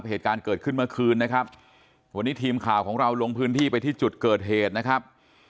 เหตุการณ์เกิดขึ้นเมื่อคืนนะครับวันนี้ทีมข่าวของเราลงพื้นที่ไปที่จุดเกิดเหตุนะครับ